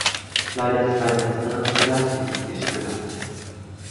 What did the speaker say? Leider ist bei letzterem das Gleichgewicht gestört.